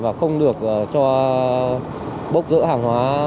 và không được cho bốc rỡ hàng hóa